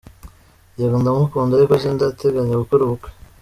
yego ndamukunda ariko sindateganya gukora ubukwe.